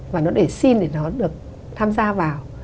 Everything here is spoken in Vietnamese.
và nó để xin để nó được tham gia vào